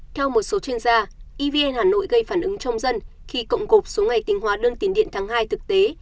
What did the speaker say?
theo một số chuyên gia evn hà nội gây phản ứng trong dân khi cộng gộp số ngày tính hóa đơn tiền điện tháng hai thực tế